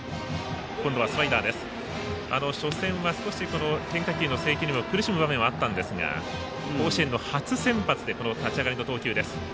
初戦は少し変化球の制球にも苦しむ場面はあったんですが甲子園の初先発でこの立ち上がりの投球です。